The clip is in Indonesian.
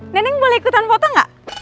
neneng boleh ikutan foto nggak